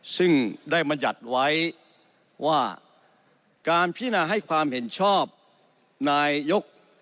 ซึ่งได้บรรยัติไว้ว่าการพินาให้ความเห็นชอบนายก